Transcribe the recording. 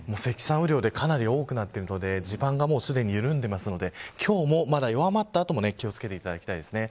雨量でかなり大きくなっているので地盤がすでに緩んでいるので今日も弱まった後も気を付けていただきたいです。